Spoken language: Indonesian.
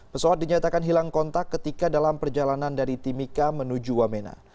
pesawat dinyatakan hilang kontak ketika dalam perjalanan dari timika menuju wamena